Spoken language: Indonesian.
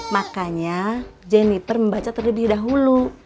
makanya jenniter membaca terlebih dahulu